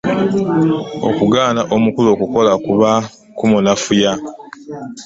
Okugaana omukulu okukola kuba kumunafuya .